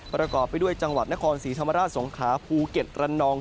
ประกอบไปด้วยจังหวัดนครศรีธรรมราชสงขาภูเก็ตระนอง